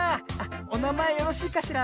おなまえよろしいかしら？